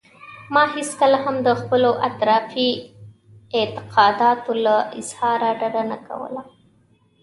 ما هېڅکله هم د خپلو افراطي اعتقاداتو له اظهاره ډډه نه کوله.